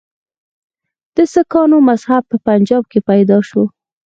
د سکانو مذهب په پنجاب کې پیدا شو.